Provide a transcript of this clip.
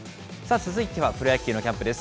続いてはプロ野球のキャンプです。